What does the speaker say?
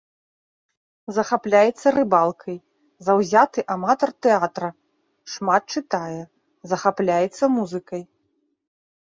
Захапляецца рыбалкай, заўзяты аматар тэатра, шмат чытае, захапляецца музыкай.